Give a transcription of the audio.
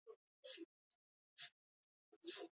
Ekoizpenen tamainaren artean ordea, alde handia dago.